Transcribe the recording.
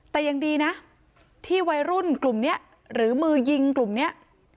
แต่ยังดีนะที่วัยรุ่นกลุ่มนี้หรือมือยิงกลุ่มนี้